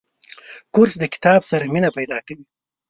کورس د کتاب سره مینه پیدا کوي.